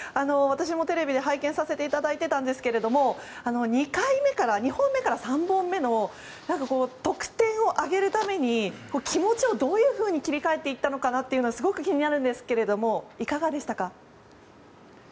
私もテレビで拝見させていただいていたんですけれども２本目から３本目の得点を上げるために気持ちをどういうふうに切り替えていったのかというのはすごく気になるんですけれどもいかがでしたか？